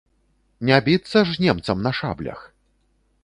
Не біцца ж з немцам на шаблях.